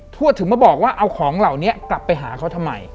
วดถึงมาบอกว่าเอาของเหล่านี้กลับไปหาเขาทำไม